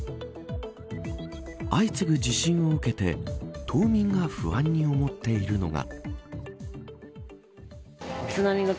相次ぐ地震を受けて島民が不安に思っているのが。